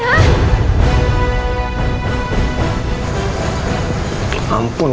aku captur dia